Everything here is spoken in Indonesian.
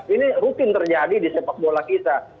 ini rutin terjadi di sepak bola kita